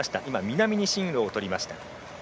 南に進路をとりました。